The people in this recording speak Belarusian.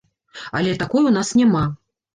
Але такой у нас няма.